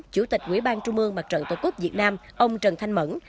chủ tịch quỹ ban trung mương mặt trận tổ quốc việt nam ông trần thanh mẫn